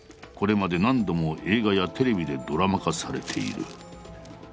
これまで何度も映画やテレビでドラマ化されている。